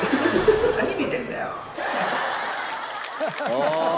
ああ。